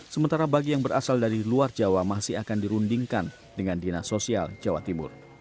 sementara bagi yang berasal dari luar jawa masih akan dirundingkan dengan dinas sosial jawa timur